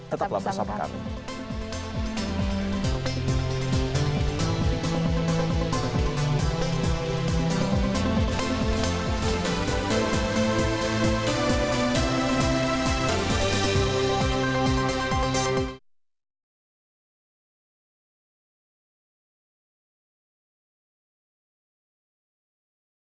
tetaplah bersama kami